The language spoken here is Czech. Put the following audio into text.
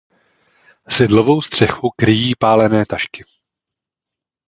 Sedlovou střechu kryjí pálené tašky.